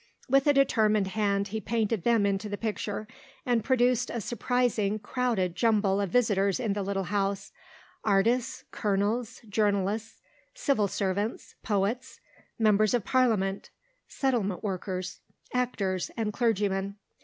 With a determined hand he painted them into the picture, and produced a surprising, crowded jumble of visitors in the little house artists, colonels, journalists, civil servants, poets, members of Parliament, settlement workers, actors, and clergymen....